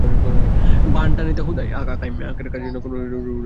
Universal robots নামের প্রতিষ্ঠানটি মূলত কারখানায় কাজের জন্য রোবটস তৈরি করে।